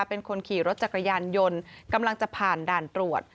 เป็นคนขี่รถจักรยานยนต์กำลังจะผ่านด่านตรวจ